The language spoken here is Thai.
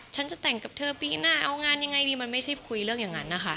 ฉันจะแต่งกับเธอปีหน้าเอางานยังไงดีมันไม่ใช่คุยเรื่องอย่างนั้นนะคะ